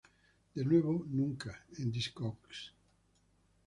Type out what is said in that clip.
De Nuevo Nunca en discogs